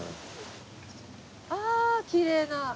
ああきれいな。